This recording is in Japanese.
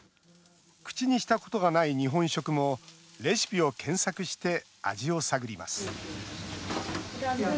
口にしたことがない日本食もレシピを検索して味を探ります